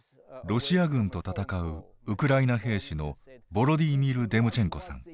ロシア軍と戦うウクライナ兵士のヴォロディーミル・デムチェンコさん。